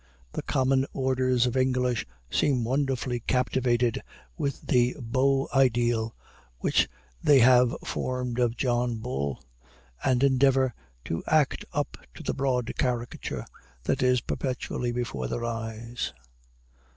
The common orders of English seem wonderfully captivated with the beau ideal which they have formed of John Bull, and endeavor to act up to the broad caricature that is perpetually before their eyes.